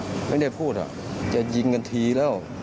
ไม่ได้พูดจะยิงกันทีแล้ว